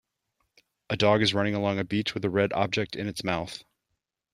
A dog is running along a beach with a red object in its mouth.